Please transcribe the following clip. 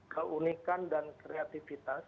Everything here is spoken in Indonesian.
keunikan dan kreatifitas